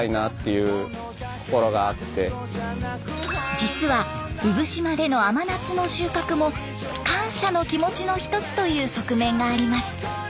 実は産島での甘夏の収穫も感謝の気持ちの一つという側面があります。